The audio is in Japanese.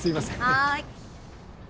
はい。